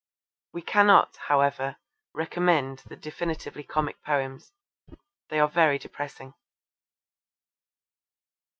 We cannot, however, recommend the definitely comic poems. They are very depressing.